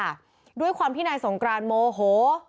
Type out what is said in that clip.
ด้วยความที่นายสงกรานโมโห